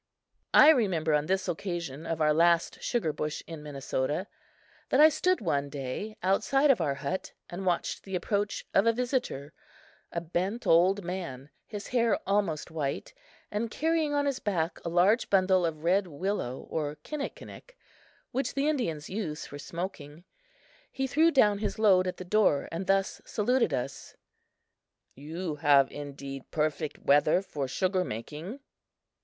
I remember on this occasion of our last sugar bush in Minnesota, that I stood one day outside of our hut and watched the approach of a visitor a bent old man, his hair almost white, and carrying on his back a large bundle of red willow, or kinnikinick, which the Indians use for smoking. He threw down his load at the door and thus saluted us: "You have indeed perfect weather for sugar making."